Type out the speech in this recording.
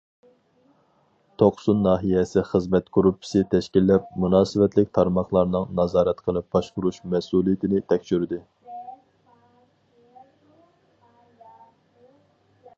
توقسۇن ناھىيەسى خىزمەت گۇرۇپپىسى تەشكىللەپ، مۇناسىۋەتلىك تارماقلارنىڭ نازارەت قىلىپ باشقۇرۇش مەسئۇلىيىتىنى تەكشۈردى.